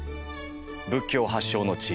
仏教発祥の地